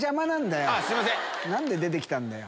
何で出てきたんだよ。